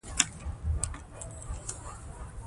د ولس غوښتنې باید د تصمیم نیولو